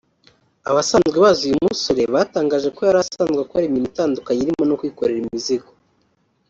Abasanzwe bazi uyu musore batangaje ko yari asanzwe akora imirimo itandukanye irimo no kwikorera imizigo